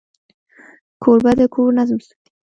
کوربه د کور نظم ساتي.